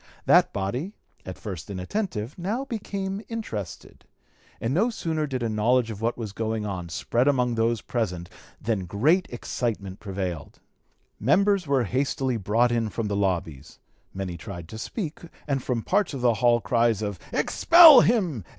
That body, at first inattentive, now became interested, and no sooner did a knowledge of what was going on spread among those present than great excitement prevailed. Members were hastily brought in from the lobbies; many tried to speak, and from parts of the hall cries of "Expel him!